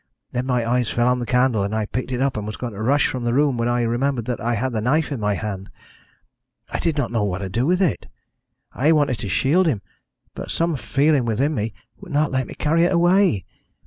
Then my eyes fell on the candle, and I picked it up and was going to rush from the room, when I remembered that I had the knife in my hand. "I did not know what to do with it. I wanted to shield him, but some feeling within me would not let me carry it away.